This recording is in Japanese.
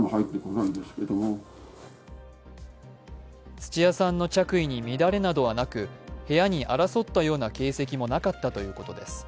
土屋さんの着衣に乱れなどはなく、部屋に争ったような形跡もなかったということです。